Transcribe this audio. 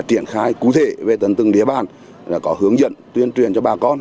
triển khai cụ thể về tận từng địa bàn có hướng dẫn tuyên truyền cho bà con